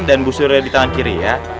dan busurnya di tangan kiri ya